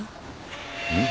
うん？